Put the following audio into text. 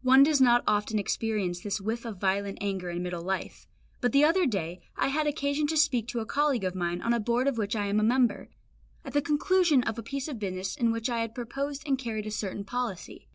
One does not often experience this whiff of violent anger in middle life; but the other day I had occasion to speak to a colleague of mine on a Board of which I am a member, at the conclusion of a piece of business in which I had proposed and carried a certain policy.